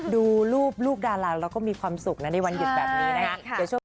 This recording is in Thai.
ดูรูปลูกดาราแล้วก็มีความสุขนะในวันหยุดแบบนี้นะคะ